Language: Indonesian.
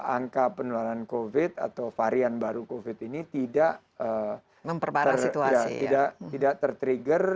angka penularan covid sembilan belas atau varian baru covid sembilan belas ini tidak ter trigger